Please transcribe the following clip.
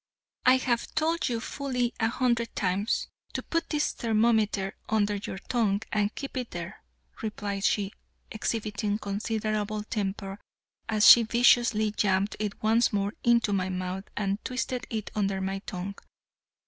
"I have told you fully a hundred times to put this thermometer under your tongue and keep it there," replied she, exhibiting considerable temper, as she viciously jammed it once more into my mouth and twisted it under my tongue.